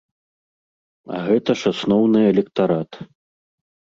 А гэта ж асноўны электарат.